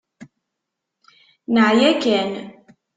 Neεya kan.